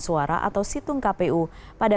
suara atau situng kpu pada